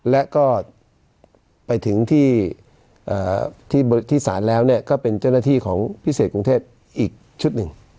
และก็ไปถึงที่ศาลแล้วก็เป็นเจ้าหน้าที่ของพิเศษกรุงเทพอีกชุดหนึ่ง